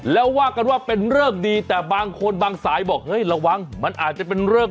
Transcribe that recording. แล้วว่ากันว่าเป็นเริกดีแต่บางคนบางสายบอกเฮ้ยระวังมันอาจจะเป็นเรื่อง